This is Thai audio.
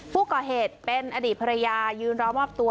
ผู้ก่อเหตุเป็นอดีตภรรยายืนรอมอบตัว